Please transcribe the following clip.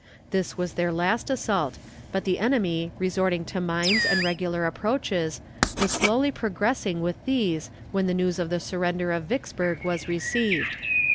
This was their last assault, but the enemy, resorting to mines and regular approaches, was slowly progressing with these when the news of the surrender of Vicksburg was received.